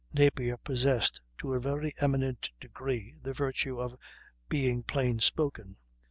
Napier possessed to a very eminent degree the virtue of being plain spoken.